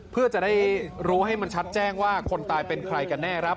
เพื่อจะได้รู้ให้มันชัดแจ้งว่าคนตายเป็นใครกันแน่ครับ